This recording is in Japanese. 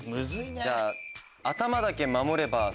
じゃあ。